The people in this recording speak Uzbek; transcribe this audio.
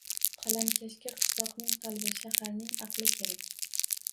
Qalamkashga qishloqning qalbi, shaharning aqli kerak.